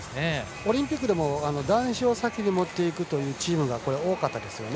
オリンピックでも男子を先に持っていくというチームが多かったですよね。